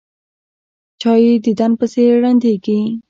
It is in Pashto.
چا یې دیدن پسې ړندېږي.